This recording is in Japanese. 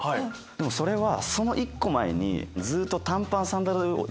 でもそれはその１個前にずっと。